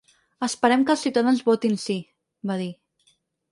Esperem que els ciutadans votin sí, va dir.